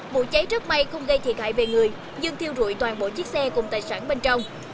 bộ cháy rớt bay không gây thiệt hại về người nhưng thiêu dụi toàn bộ chiếc xe cùng tài sản bên trong